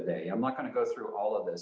dan juga tensi geopolitik